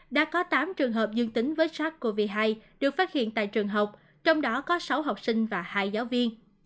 đã có tám trường hợp dương tính với sars cov hai được phát hiện tại trường học trong đó có sáu học sinh và hai giáo viên